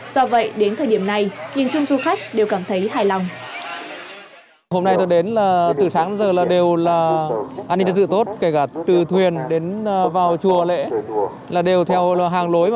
do vậy đến thời điểm này nhìn chung du khách đều cảm thấy